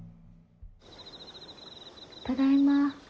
・ただいま。